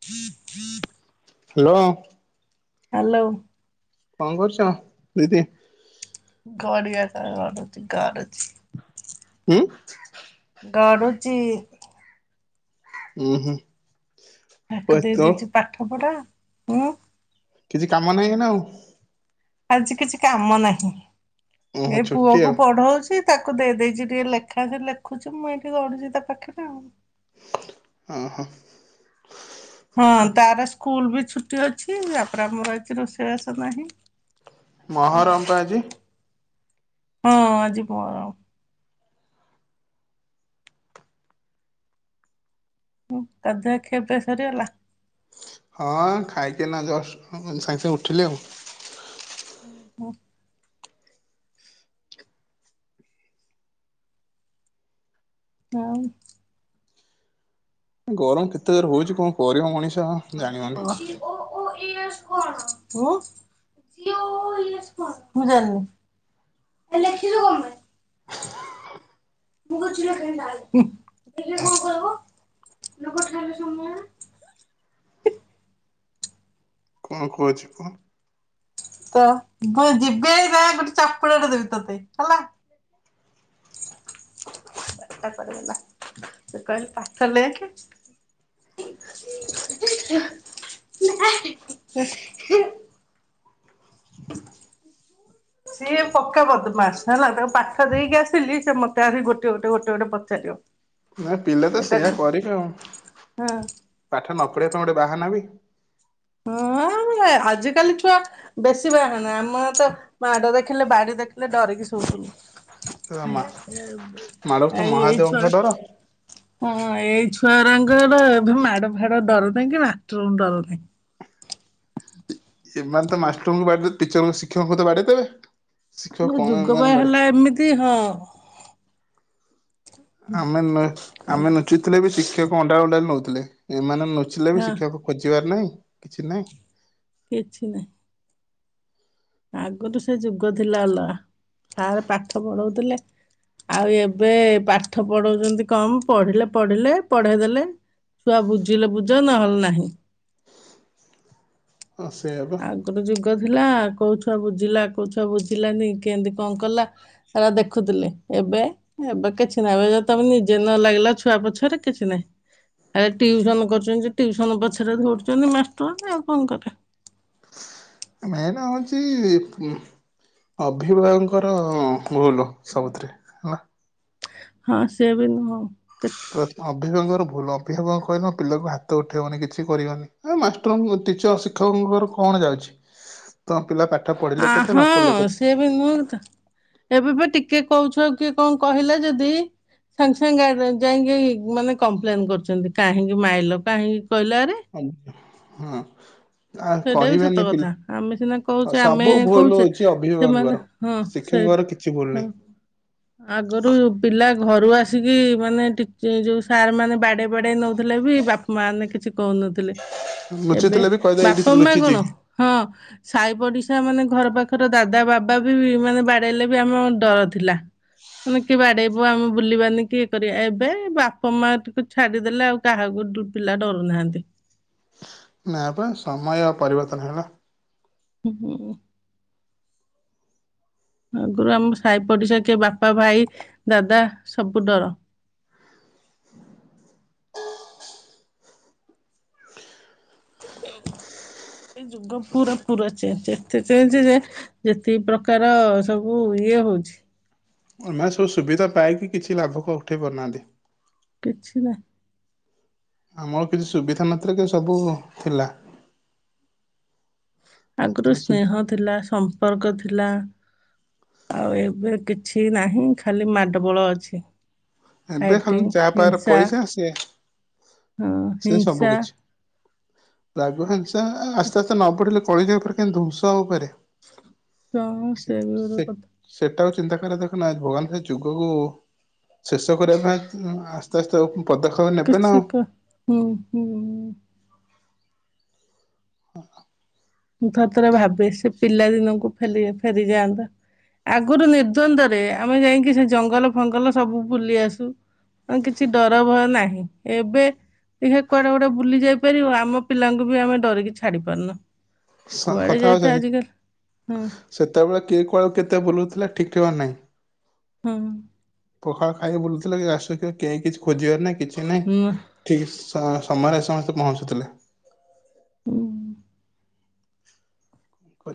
[inaudible] Hello. Hello. କଣ କରୁଛ ଦିଦି? ଗଡ଼ିଆ ତଳେ ଗଡୁଛି ଗଡୁଛି। ହୁଁ। ଗଡୁଚି। ଉଁ ହୁଁ। ତାକୁ ଦେଇ ତ ଦେଇଛି ପାଠ ପଢା ହୁଁ। କିଛି କାମ ନାହିଁ ନା ଆଉ। ଆଜି କିଛି କାମ ନାହିଁ ଓହୋ ଏ ପୁଅ ଛୁଟି ଆଉ କୁ ପଢଉଛି। ତାକୁ ଦେଇ ଦେଇେଇଛି ଟିକେ ଲେଖା ସେ ଲେଖୁଛି ମୁଁ ଏଇଠି ଗଢୁଛି ତା ପାଖରେ ଆଉ। ଉଁ ହୁଁ। ହଁ ତାର ସ୍କୁଲ ବି ଛୁଟି ଅଛି ତାପରେ ଆମର ଆଜି ରୋଷେଇବାସ ନାହିଁ। ହଁ ମହରମ୍ ପା ଆଜି। ହଁ ଆଜି ମହରମ। ହଁ ଗାଧୁଆ ଖିଆ ପିଆ ସରିଗଲା। ହଁ ଖାଇକି ଏଇନା ଜଷ୍ଟସାଙ୍ଗେ ସାଙ୍ଗେ ଉଠିଲି ଆଉ। ହୋ ହଁ। ଗରମ କେତେ ଜୋର ହଉଛି କଣ କରିବ ମଣିଷ। ହ ଜାଣିବନି ହ [unintelligible] ଓ ୟେଶ କଣ। ଓ ଯଉ ୟେଶ କଣ? ମୁଁ ଜାଣିନି। ଲେଖିଲୁ କଣ ପାଇଁ? ମୁଁ କିଛି ଲେଖିବିନି ତାହାଲେ। ଦେଖିଆ କଣ କରିବ? [unintelligible] କଣ କୁହୁଛି ପୁଅ? ତ ମୁଁ ଯିବି ଏଇନା ଗୋଟେ ଚାପୁଡାଟେ ଦେବି ତତେ ହେଲା। [unintelligible] ବାଡ଼ି ଟା କୁଆଡେ ଗଲା ମୁଁ କହିଲି ପାଠ ଲେଖେ। [unintelligible] ନା [unintelligible] [unintelligible] ସିଏ ପକ୍କା ବଦମାସ ହେଲା ତାକୁ ପାଠ ଦେଇକି ଆସିଲି ସେ ମତେ ଆସି ଗୋଟେ ଗୋଟେ ଗୋଟେ ଗୋଟେ ପଚାରିବ। ନା ପିଲା ତ ଏଟା ସେଇଆ କଣ କରିଵେ ଆଉ ପାଠ ନ ପଢିବା ପାଇଁ ଗୋଟେ ବାହାନାବି। [unintelligible] ଆଜିକାଲି ଛୁଆ। ବେଶୀ ବାହାନା ଆମର ତ ମାଡ ଦେଖିଲେ ବାଡି ଦେଖିଲେ ଡରିକି ଶୋଉଥିଲୁ। ମାଡକୁ ତ ଆଉ ଏଇ ମହାଦେବଙ୍କ ଏଇଛୁଆ। ଡର ହଁ ଏଇ ଛୁଆରାଙ୍କର ଏବେ ମାଡ ଫାଡ ଡର ନାହିଁ କି ମାଷ୍ଟରଙ୍କୁ ଡର ନାହିଁ। [unintelligible] ସେମାନେ ତ ମାଷ୍ଟରଙ୍କୁ ବାଡେ ଟିଚର ଶିକ୍ଷକଙ୍କୁ ତ ବାଡେଇ ଦେବେ। ଶିକ୍ଷକ କଣ ଯୁଗ ପା ଏମାନେ ବାଡେଇ ହେଲା ଏମିତି ହଁ। ଆମେ ନ ଆମେ ଆଗରୁ ନୁଚୁଥିଲେ ବି ଶିକ୍ଷକ ଅଣ୍ଡାଳି ଅଣ୍ଡାଳି ନଉଥିଲେ। ଏମାନେ ନୁଚିଲେ ବି ହଁ ଶିକ୍ଷକ ଖୋଜିବାର ନାହିଁ କିଛି ନାହିଁ। କିଛି ନାହିଁ। ଆଗରୁ ସେ ଯୁଗ ଥିଲା ଅଲାଗା ସାରେ ପାଠ ପଢଉଥିଲେ। ଆଉ ଏବେ ପାଠ ପଢଉଛନ୍ତି କମ ପଢିଲେ ପଢିଲେ ପଢେଇ ଦେଲେ। ଛୁଆ ବୁଝିଲେ ବୁଝ ନହେଲେ ନାହିଁ। ହଁ ସେଆପା। ଗୋଟେ ଯୁଗ ଥିଲା କୋଉ ଛୁଆ ବୁଝିଲା କୋଉ ଛୁଆ ବୁଝିଲାନି କେଇଁତି କଣ କଲା? ହେରା ଦେଖୁଥିଲେ ଏବେ। ଏବେ କିଛି ନାହିଁ ଏବେ ତମେ ନିଜେ ନ ଲାଗିଲ ଛୁଆ ପଛରେ କିଛି ନାହିଁ। ଏ ଟିଉସନ କରୁଛନ୍ତି ଯେ ଟିଉସନ ପଛରେ ଧ ଉଡୁଛନ୍ତି ମାଷ୍ଟର ଆଉ କଣ କରିବେ। ମେନ ହଉଛି ଅଭିଭାବଙ୍କର ଭୁଲୁ ସବୁଥିରେ। ହେଲା। ହଁ ସେୟା ବି ନୁହଁ କେ ଅଭିଭାବଙ୍କର ଭଲୁ ଅଭିଭାବକ କହିଲେ ମୋ ପିଲାକୁ ହାତ ଉଠେଇବନି କିଛି କରିବନି। ଆ ମାଷ୍ଟର ଟିଚର ଶିକ୍ଷକଙ୍କର କଣ ଯାଉଛି ତମ ପିଲା ପା ଆ ହଁ ସେ ବି ନୁହଁ ତ। ଏବେ ବି ଟିକେ କହୁଛୁଆ କୁକିଏ କଣ କହିଲେ ଯଦି ସାଙ୍ଗେ ସାଙ୍ଗେ ଗାଡି ଯାଇକି ମାନେ କମ୍ପ୍ଲେନ୍ କରୁଛନ୍ତି କାହିଁକି ମାଇଲ କାହିଁକି କହିଲାଆରେ। [unintelligible] ହଁ। ଆ ସେଇଟା ବି କହିବେନି ସତ କଥା ଆମେ ସିନା ପିଲା କହୁଛେ ଆମେ ସବୁ ଭୁଲ କହୁଛେ ହଉଛି ସେମାନେ ଅଭିଭାବଙ୍କର। ହଁ ସେଇଠି ଶିକ୍ଷକଙ୍କର କିଛି ଭୁଲୁ ହଁ ନାହିଁ। ଆଗରୁ ପିଲା ଘରୁ ଆସିକି ମାନେ ଟିକେଯୋଉ ସାର୍ ମାନେ ବାଡେଇ ବାଡେଇ ନଉଥିଲେ ବି ବାପ ମାନେ କିଛି କହୁନଥିଲେ ଏବେ ଲୁଚିଥିଲେ ବି କହିଦେ ଏଇଠି ବାପ ମା ଲୁଚିଛି କଣ ହଁ। ସାହି ପଡିଶା ମାନେ ଘର ପାଖରେ ଦାଦା ବାବା ବି ମାନେ ବାଡେଇଲେ ବି ଆମର ଡର ଥିଲା। ମାନେ କିଏ ବାଡେଇବ ଆମେ ବୁଲିବାନି କିଇଏ କରିବା ଏବେ ବାପ ମା ଟିକୁ ଛାଡିଦେଲେ ଆଉ। କାହାକୁ ଡୁପିଲା ଡରୁ ନାହାନ୍ତି। ନା ପା ସମୟ ଆଉ ପରିବର୍ତ୍ତନ ହେଲା। ହୁଁ ହୁଁ। ଆଗରୁ ଆମ ସାହି ପଡିଶା କିଏ ବାପା ଭାଇ ଦାଦା ସବୁ ଡର। [unintelligible] ଏ ଯୁଗ ପୁରା ପୁରା ଚେଞ୍ଜ ଏତେ ଚେଞ୍ଜ ଯେ ଯେତିକି ପ୍ରକାର ସବୁ ଇଏ ହଉଛି। ଏମାନେ ସବୁ ସୁବିଧା ପାଇକି କିଛି ଲାଭ କ ଉଠେଇ ପାରୁନାହାନ୍ତି। କିଛି ନା ଆମର କିଛି ସୁବିଧା ନଥିଲା, କିନ୍ତୁ ସବୁ ଥିଲା। ଆଗରୁ ମାନେ ସୁବି ସ୍ନେହ ଥିଲା, ସମ୍ପର୍କ ଥିଲା। ଆଉ ଏବେ କିଛି ନାହିଁ, ଖାଲି ମାଡ଼ଗୋଳ ଅଛି। ଏବେ ଖାଲି ଫାଇଟିଂ ଯାହା ପାଖରେ ହିଂସା ପଇସା ସେଏ, ହଁ ସେ ସବୁ ହିଂସା କିଛି। ରାଗ ହିଂସା ଆସ୍ତେ ଆସ୍ତେ ନ ବଢିଲେ କଳିଯେ ଉପରେ କେନ ଧୂଁସ ଉପରେ। ଚ ହଉ ସେ ବି [unintelligible] କଥା। ସେଇଟା ଆଉ ଚିନ୍ତା କରିଆ ଦେଖ ନା ଆଜ ଭଗବାନ ଖାଲି ଯୁଗକୁ ଶେଷ କରିବା ପାଇଁ ଏଁ ଏ ଆସ୍ତେ ଆସ୍ତେ ପଦକ୍ଷେପ ନେବେ କିଛି ନାଉ କ ହୁଁ, ହୁଁ। ହଁ। [inaudible] ମୁଁ ଥରେ ଥରେ ଭାବେ ସେ ପିଲା ଦିନକୁ ହେଲେ ଫେରିଯାଆନ୍ତା। ଆଗରୁ ନିର୍ଦ୍ନ୍ଦରେ ଆମେ ଯାଇକି ସେ ଜଙ୍ଗଲ ଫଙ୍ଗଲ ସବୁ ବୁଲି ଆସୁ। ଆଉ କିଛି ଡର ଭୟ ନାହିଁ ଏବେ ଏଵେ କୁଆଡେ ଗୋଟେ ବୁଲି ଯାଇ ପାରିବ ଆମ ପିଲାଙ୍କୁ ବି ଆମେ ଡରିକି ଛାଡି ପାରୁନୁ। ସତ କୁଆଡେ କଥା ହଉଛ ଯାଇତେ ଯଦି, ଆଜିକାଲି ହଁ ସେତେବେଳେ କିଏ କୁଆଡେ କୁ କେତେ ବୁଲୁଥିଲା ଠିକ ଠିକଣା ନାହିଁ। ହୁଁ। ପଖାଳ ଖାଇକି ବୁଲୁଥିଲ ଆସିକି କେହି କିଛି ଖୋଜିବାର ନାହିଁ କିଛି ନାଇଁ। ହୁଁ ଠିକ୍ ସମ ସମୟରେ ସମସ୍ତେ ପହଞ୍ଚୁଥିଲେ। ହୁଁ। କ [inaudible]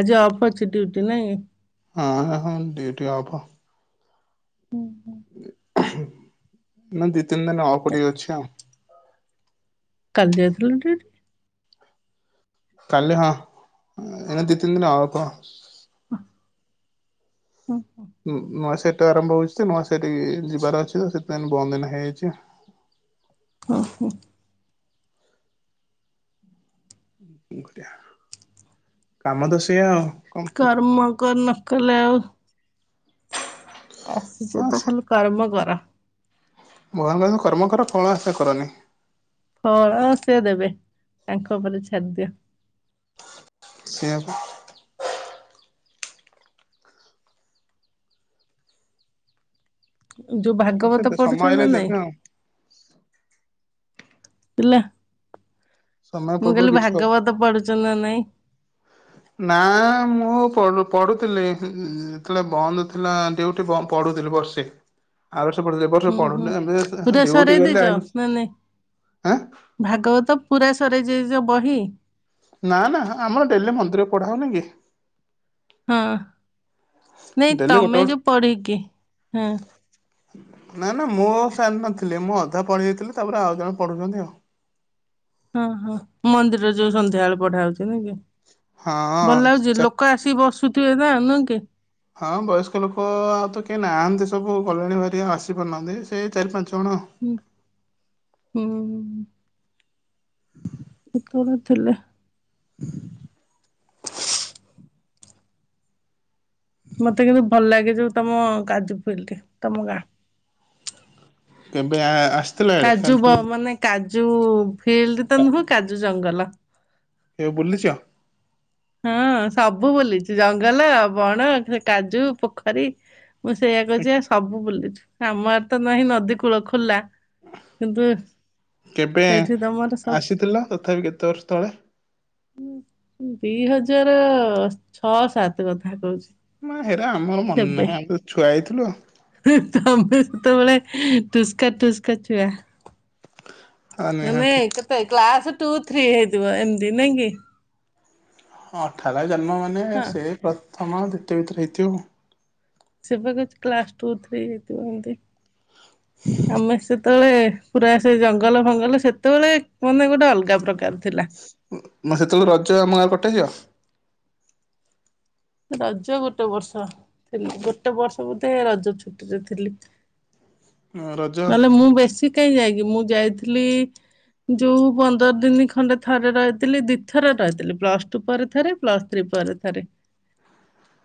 ଆଜି ଅଫ ଅଛି ଡିଉଟି ନାଇଁ? ହଁ-ହଁ-ହଁ ଡିଉଟି ଅଫ ହୁଁ ହୁଁ। ଏଇନା ଦି ତିନି ଦିନ ଅଫ ଟିକେ ଅଛି ଆଉ। କାଲି ଯାଇଥିଲ ଡିଉଟି? କାଲି ହଁ, ଏ ଦିଇ ତିନି ଦିନ ଅଫ ହ ହ [inaudible] ନୁ ନୂଆ ସେଟ ଆରମ୍ଭ ହଉଛି ତ ନୂ ସେଟ୍ ଇ ଯିବାର ଅଛି ତ ସେଥିପାଇଁ ବନ୍ଦିନ ହେଇଛି ଆଉ ଓ ହୋ। କାମ ତ ସେଇଆ ଆଉ କଣ କର୍ମ କରନ କଲେ [unintelligible] ଆସିଛୁ ହଁ ତ ସେ ଖାଲି କର୍ମ କର ଭଗବାନ କହି ଛନ୍ତି କର୍ମ କର ଫଳ ଆଶା କରନି। ଫଳ ସେ ଦେବେ ତାଙ୍କ ଉପରେ ଛାଡି ଦିଅ ସେଇୟା ବା। ଯୋଉ ପା ଭାଗବତ ସମୟ ପଢୁଛ ନା ହେଲେ ନାଇଁ? ଦେବେ ଆଉ ହେଲା, ସମୟ ମୁଁ ପୂର୍ବରୁ କହିଲି କିଛି ଭାଗବତ ପଢୁଛ ଚ ନା ନାଇଁ। ନାଁ ମୁଁ ପଢ଼ୁ ପଢ଼ୁଥିଲି ଇଁ ଇଁ ଯେତବଳେ ଥିଲା ବନ୍ଦ ଥିଲା ଡ଼ିଉଟି ବଁ ପଢ଼ୁଥିଲି ବର୍ଷ ଟେ ଆର ବର୍ଷ ପଢ଼ୁଥିଲି ଏ ବର୍ଷ ହୁଁ ହୁଁ ପଢ଼ୁନି ଏମ ବି ଏସ ପୁରା ସରେଇ ଡିଉଟି ଗଲି ଦେଇଛ ଆଇଲି ନା ନାଇଁ। ଆଁ? ଭାଗବତ ପୁରା ସରେଇ ଦେଇଚ ବହି? ନା ନା ଆମର ଡ଼େଲି ମନ୍ଦିରରେ ପଢ଼ା ହଉନି କି? ହଁ ନାଇଁ ଡେଲି ଗୋଟେ ତମେ ଯୋଉ ଗୋଟେ ପଢ଼ିକି ହଁ। ନା ନା ମୋ ସାର ନଥିଲି ମୁଁ ଅଧା ପଢ଼ି ଦେଇଥିଲି ତାପରେ ଆଉ ଜଣେ ପଢ଼ୁଛନ୍ତି ଆଉ। ହଁ ହଁ ମନ୍ଦିରରେ ଯୋଉ ସନ୍ଧ୍ୟାବେଳେ ପଢ଼ା ହଉଚି ନାଇଁ କି? ଭଲ ହଁ ଲାଗୁଚି ଚା ଲୋକ ଆସିକି ବସୁଥିବେ ନା ନୁହେଁ କି? ହଁ ବୟସ୍କ ଲୋକ ଆଉ ତ କେହି ନାହାଁନ୍ତି ସବୁ ଗଲେଣି ଭାରି ଆସି ପାରୁନାହାନ୍ତି ସେଇ ଚାରି ପାଞ୍ଚ ଜଣ ହୁଁ ହୁଁ ହୁଁ ହୁଁ ହୁଁ। ପୁତୁରା ଥିଲେ। [unintelligible] ମତେ କିନ୍ତୁ ଭଲ ଲାଗେ ଯୋଉ ତମ କାଜୁ ଫିଲଡ଼ି ତମ ଗାଁ। କେବେ ଆ ଆ ସ୍ କାଜୁ ବ ମାନେ କାଜୁ ଫିଲ୍ଡ ତ ନୁହୁଁ କାଜୁ ଜଙ୍ଗଲ। କେବେ ବୁଲିଚ? ହଁ ସବୁ ବୁଲିଚି ଜଙ୍ଗଲ, ବଣ, କାଜୁ, ପୋଖରୀ ମୁଁ ସେଇଆ କହୁଚି ଏ ସବୁ ବୁଲିଚୁ ଆମ ଆଡ଼େ ତ ନାହିଁ ନଦୀ କୂଳ ଖୋଲା। କିନ୍ତୁ କେବେ ସେଇଠି ତମର ସବୁ ଆସିଥିଲ ତଥାବି କେତେ ବର୍ଷ ତଳେ? ଦି ହଜାର ଅ ଅ ଛଅ ସାତେ କଥା କହୁଚି। ମା ହେରା ଆମର ମନେ ନାହିଁ ଆମେ ତ ଛୁଆ ହେଇଥିଲୁ ଆଉ। ହିଁ ତମେ ସେତବଳେ ଠୁସ୍କା ଠୁସ୍କା ଛୁଆ। ଆଉ ତମେ ନିହାତି। କେତେ କ୍ଲାସ ଟୁ ଥ୍ରୀ ହେଇଥିବ ଏମତି ନାଇଁ କି? ହଁ ଅଠାଲବେ ଜନ୍ମ ମାନେ ହଁ। ସେ ପ୍ରଥମ ଦ୍ୱିତୀୟ ଭିତରେ ହେଇଥିବୁ। ସେ ପା କହୁଚି କ୍ଲାସ ଟୁ ଥ୍ରୀ ହେଇଥିବ ଏମତି ଆମେ ସେତବେଳେ ପୁରା ସେ ଜଙ୍ଗଲ ଫଙ୍ଗଲ ସେତବଳେ ମାନେ ଗୋଟେ ଅଲଗା ପ୍ରକାର ଥିଲା। ମୁଁ ସେତବେଳୁ ରଜ ଆମ ଗାଁରେ କଟେଇଚ? ରଜ ଗୋଟେ ବର୍ଷ ଥିଲି ଗୋଟେ ବର୍ଷ ବୋଧେ ରଜ ଛୁଟିରେ ଥିଲି। ମୁଁ ରଜ୍ ନହେଲେ ମୁଁ ବେଶୀ କାଇଁ ଯାଏକି ମୁଁ ଯାଇଥିଲି ଯୋଉ ପନ୍ଦର ଦିନି ଖଣ୍ଡେ ଥରେ ରହିଥିଲି ଦି ଥର ରହିଥିଲି ପ୍ଲସ୍ ଟୁ ପରେ ଥରେ ପ୍ଲସ୍ ଥ୍ରୀ ପରେ ଥରେ। [unintelligible]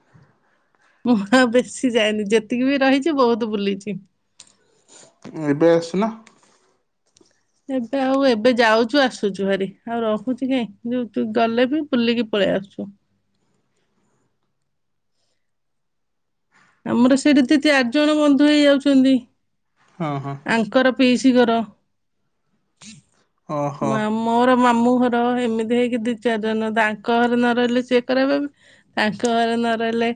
ମୁଁ ଆଉ ବେଶୀ ଯାଏନି ଯେତିକି ବି ରହିଚି ବହୁତ ବୁଲିଚି। ଏବେ ଆସୁନ? ଏବେ ଆଉ ଏବେ ଯାଉଚୁ ଆସୁଚୁ ଭାରି ଆଉ ରହୁଚି କାଇଁ ଯୋଉ ଗଲେ ବି ବୁଲିକି ପଳେଇ ଆସୁଚୁ। ଆମର ସେଇଠି ଦି ଚାରି ଜଣ ବନ୍ଧୁ ହେଇଯାଉଛନ୍ତି। ହଁ ହଁ। ଆଙ୍କର ପିଇସିି ଘର ଓହୋ। ମା ମୋର ମାମୁଁ ଘର ଏମିତି ହେଇକି ଦି ଚାରି ଜଣ ତାଙ୍କ ଘରେ ନ ରହିଲେ ସିଏ ଖରାପ ଭାବି ଆଙ୍କ ଘରେ ନ ରହିଲେ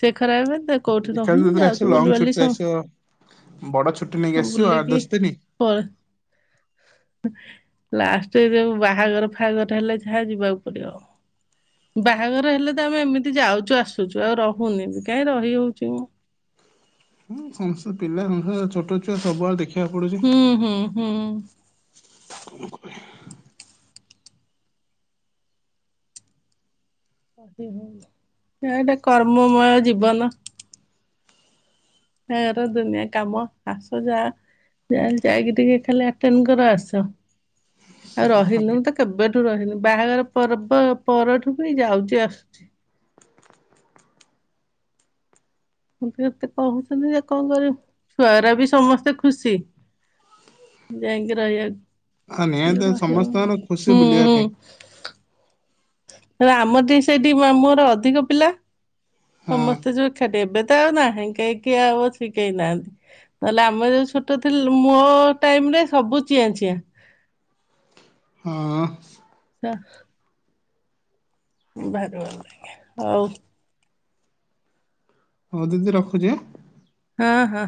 ସିଏ ଖରାପ ଭାବିଥୁବ କୋଉଠି ଏକାବେଳେ ରହୁନୁ ଯେତେବେଳେ ଆସିବ ଯାଉଚୁ ଲଙ୍ଗ ବୁଲିବାଲି ଛୁଟିରେ ଆସିବ ବଡ ଛୁଟି ନେଇକି ସମସ୍ତ ଆସିବ ଆଠ ବୁଲିକି ଦଶ ଦିନି। ପରେ ଲାଷ୍ଟରେ ଯୋଉ ବାହାଘର ଫାହାଘର ହେଲେ ଯାହା ଯିବାକୁ ପଡିବ ଆଉ। ବାହାଘର ହେଲେ ତ ଆମେ ଏମିତି ଯାଉଛୁ ଆସୁଛୁ ଆଉ ରହୁନି କାହିଁ ରହି ହୋଉଚି ମ ହଁ ସମସ୍ତେ ପିଲା ସଂସାର ଛୋଟ ଛୁଆ ସବୁଆଡେ ଦେଖିବା ହୁଁ ହୁଁ ହୁଁ। [unintelligible] ହଁ ଏଇଟା କର୍ମମୟ ଜୀବନ। ତାର ଦୁନିଆ କାମ ଆସ ଯା ଯହାହେଲେ ଯାଇକି ଟିକେ ଖାଲି ଆଟେନ୍ କର ଆସ। ଆଉ ସେ ରହିନୁ ଖାଲି ତ କେବେଠୁ ରହିନୁ ବାହାଘର ପର୍ବ ପରଠୁ ବି ଯାଉଛି ଆସୁଛି। ମୁଁ ତ ଏତେ କହୁଛନ୍ତି ଯେ କଣ କରିବୁ ଛୁଆର ବି ସମସ୍ତେ ଖୁସି। ଯାଇକି ହଁ ରହିବାକୁ ହେଲେ ନିହାତି ରହି ହୋଉନି ସମସ୍ତଙ୍କର ଖୁସି ହୁଁ ବୁଲିବା ପାଇଁ ହୁଁ। ହେଲେ ଆମର ଦି ସେଇଠି ମାମୁଁ ଘର ଅଧିକ ପିଲା ହଁ ସମସ୍ତେ ଯୋଉ ଏଖାଟି ଏବେ ତ ଆଉ ନାହିଁ କେହି କିଏ ଆଉ ଅଛି କେହି ନାହାନ୍ତି। ନହେଲେ ଆମେ ଯୋଉ ଛୋଟ ଥିଲୁ ମୋ ଟାଇମ୍ ରେ ସବୁ ଚିଆଁ ଚିଆଁ। ହଁ। [unintelligible] ଭାଇ ରେ ହୋଉ। ହୋଉ ଦିଦି ରଖୁଛି ଆଁ। ହଁ ହଁ।